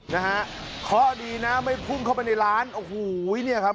นะฮะเคราะห์ดีนะไม่พุ่งเข้าไปในร้านโอ้โหเนี่ยครับ